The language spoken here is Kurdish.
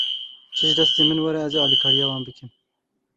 Çi ji destên min were, ez ê alîkariya wan bikim.